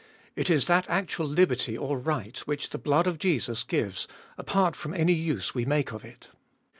It is that actual liberty or right which the blood of Jesus gives, apart from any use we make of it.